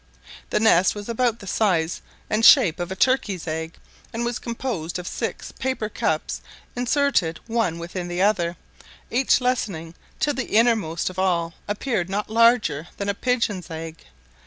The nest was about the size and shape of a turkey's egg, and was composed of six paper cups inserted one within the other, each lessening till the innermost of all appeared not larger than a pigeon's egg.